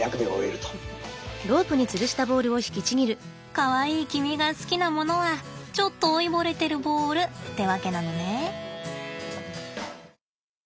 かわいい君が好きなものはちょっと老いぼれてるボールってわけなのね。